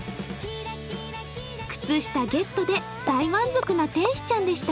靴下ゲットで大満足な天使ちゃんでした。